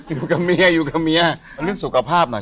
อยู่กับเมียเรื่องสุขภาพหน่อย